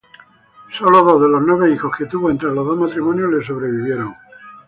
Sólo dos de los nueve hijos que tuvo entre los dos matrimonios le sobrevivieron.